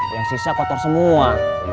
yang sisa kotor semua